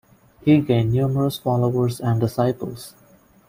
He gained numerous followers and disciples.